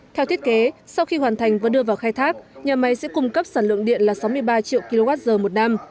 theo thiết kế sau khi hoàn thành và đưa vào khai thác nhà máy sẽ cung cấp sản lượng điện là sáu mươi ba triệu kwh một năm